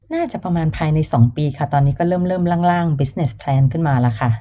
น่าจะประมาณภายใน๒ปีค่ะตอนนี้ก็เริ่มล่างบิสเนสแคลนขึ้นมาแล้วค่ะ